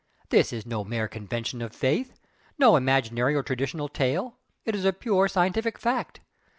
This is no mere 'convention' of faith, no imaginary or traditional tale it is pure scientific fact.